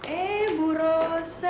eh bu rosa